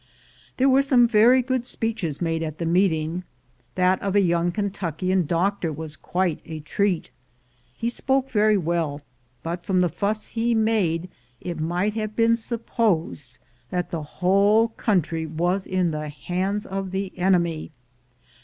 There were some very good speeches made at the meeting; that of a young Kentuckian doctor was quite a treat. He spoke very well, but from the fuss he made it might have been supposed that the whole country was in the hands of the enemy.